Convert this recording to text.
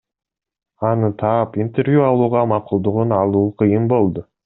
Аны таап, интервью алууга макулдугун алуу кыйын болду.